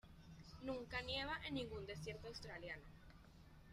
Nunca nieva en ningún desierto australiano.